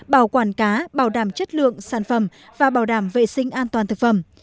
bảo quản cá bảo đảm chất lượng sản phẩm và bảo đảm vệ sinh an toàn thực phẩm